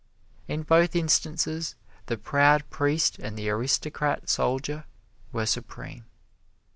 In both instances the proud priest and the aristocrat soldier were supreme.